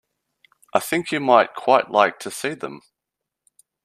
I think you might quite like to see them.